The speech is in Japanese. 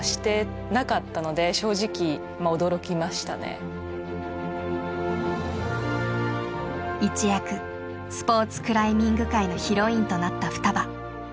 一躍スポーツクライミング界のヒロインとなったふたば。